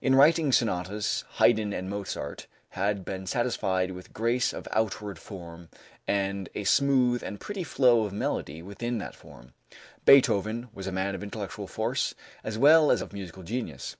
In writing sonatas Haydn and Mozart had been satisfied with grace of outward form and a smooth and pretty flow of melody within that form. Beethoven was a man of intellectual force as well as of musical genius.